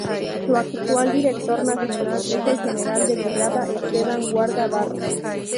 Su actual director nacional es el General de Brigada Esteban Guarda Barros.